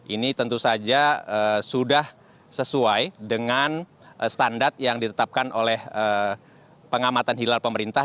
ini tentu saja sudah sesuai dengan standar yang ditetapkan oleh pengamatan hilal pemerintah